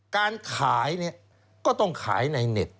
การขายเนี่ยก็ต้องขายในเน็ต